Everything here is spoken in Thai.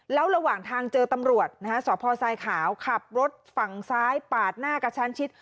แล้วระหว่างทางเจอตำรวจนะฮะสพทรายขาวขับรถฝั่งซ้ายปาดหน้ากระชั้นชิด